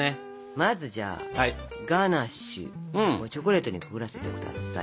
まずじゃあガナッシュをチョコレートにくぐらせて下さい。